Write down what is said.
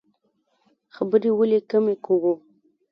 خبرې ولې کمې کړو؟